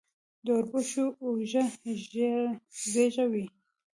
د اوربشو اوړه زیږه وي.